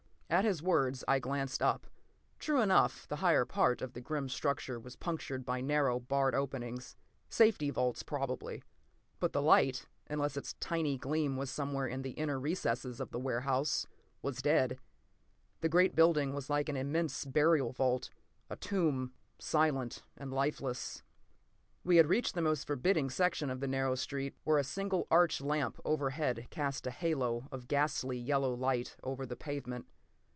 p> At his words, I glanced up. True enough, the higher part of the grim structure was punctured by narrow, barred openings. Safety vaults, probably. But the light, unless its tiny gleam was somewhere in the inner recesses of the warehouse, was dead. The great building was like an immense burial vault, a tomb—silent and lifeless. We had reached the most forbidding section of the narrow street, where a single arch lamp overhead cast a halo of ghastly yellow light over the pavement.